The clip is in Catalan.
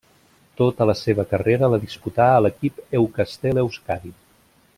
Tota la seva carrera la disputà a l'equip Euskaltel-Euskadi.